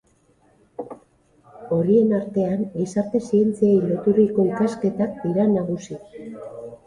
Horien artean, gizarte zientziei loturiko ikasketak dira nagusi.